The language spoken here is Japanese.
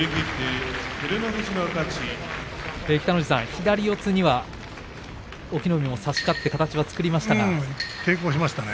北の富士さん、左四つには隠岐の海も差し勝って形を作りましたね。